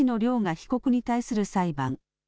被告に対する裁判。